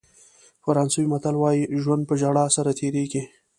فرانسوي متل وایي ژوند په ژړا سره تېرېږي.